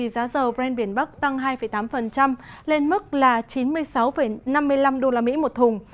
dầu brand biển bắc tăng hai tám lên mức chín mươi sáu năm mươi năm usd một thùng